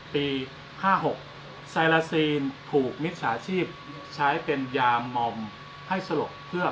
ปีห้าหกถูกมิทสาชีบใช้เป็นยามอมให้สลกเพื่อ